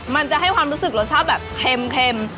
มันจะให้ความรู้สึกรสชาติแบบเค็ม